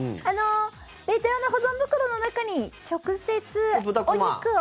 冷凍用の保存袋の中に直接、お肉を。